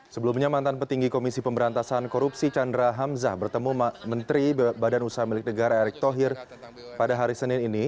sebelumnya mantan petinggi komisi pemberantasan korupsi chandra hamzah bertemu menteri badan usaha milik negara erick thohir pada hari senin ini